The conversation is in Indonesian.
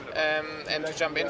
dan mengembang ke sini